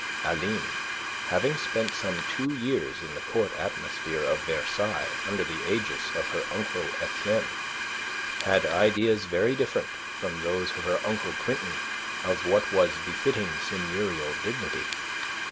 Aline, having spent some two years in the court atmosphere of Versailles under the aegis of her uncle Etienne, had ideas very different from those of her uncle Quintin of what was befitting seigneurial dignity.